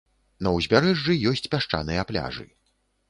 На ўзбярэжжы ёсць пясчаныя пляжы.